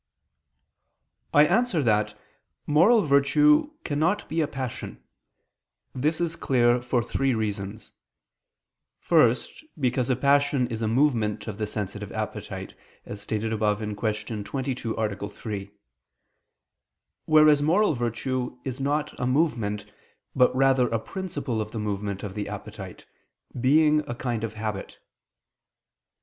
I answer that, Moral virtue cannot be a passion. This is clear for three reasons. First, because a passion is a movement of the sensitive appetite, as stated above (Q. 22, A. 3): whereas moral virtue is not a movement, but rather a principle of the movement of the appetite, being a kind of habit.